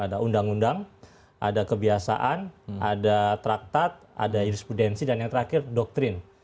ada undang undang ada kebiasaan ada traktat ada jurisprudensi dan yang terakhir doktrin